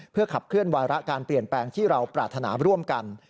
ขับเคลื่อนวาระการเปลี่ยนแปลงที่เราปรารถนาร่วมกัน